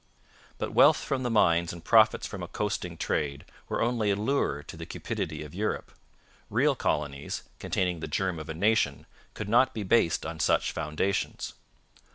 But wealth from the mines and profits from a coasting trade were only a lure to the cupidity of Europe. Real colonies, containing the germ of a nation, could not be based on such foundations.